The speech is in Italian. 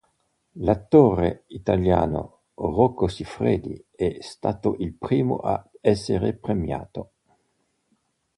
L'attore italiano Rocco Siffredi è stato il primo ad essere premiato.